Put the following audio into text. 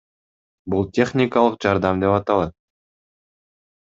Бул техникалык жардам деп аталат.